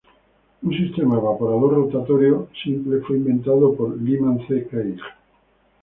Un sistema evaporador rotatorio simple fue inventado por Lyman C. Craig.